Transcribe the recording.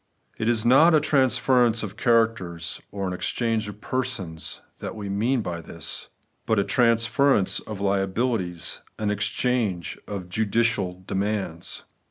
It is not a transference of characters nor an exchange of persons that we mean by this ; but a transference of liabilities, an exchange of judicial demands.